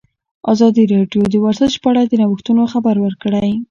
ازادي راډیو د ورزش په اړه د نوښتونو خبر ورکړی.